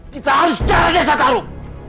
kita harus jalan cekat tahu